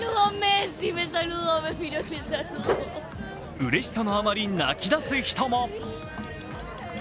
うれしさのあまり、泣きだす人も。